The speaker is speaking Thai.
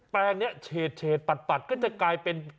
แปลงนี้เฉดปัดก็จะกลายเป็น